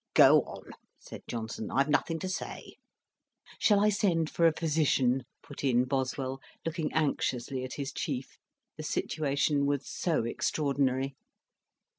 "Go on," said Johnson; "I've nothing to say." "Shall I send for a physician?" put in Boswell, looking anxiously at his chief, the situation was so extraordinary.